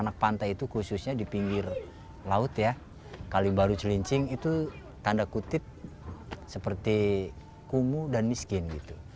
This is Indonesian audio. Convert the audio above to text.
anak anak pantai itu khususnya di pinggir laut ya kalimbaru celincing itu tanda kutip seperti kumu dan miskin gitu